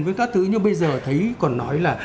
với các thứ nhưng bây giờ thấy còn nói là